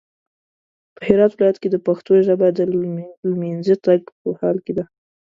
په هرات ولايت کې د پښتنو ژبه د لمېنځه تګ په حال کې ده